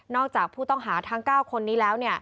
จากผู้ต้องหาทั้ง๙คนนี้แล้ว